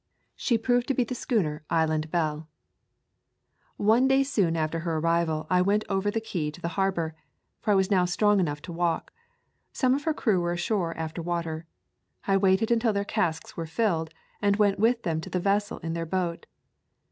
She proved to be the schooner Island Belle. [ 143 | A Thousand Mile Walk One day soon after her arrival I went over the key to the harbor, for I was now strong enough to walk. Some of her crew were ashore after water. I waited until their casks were filled, and went with them to the vessel in their boat.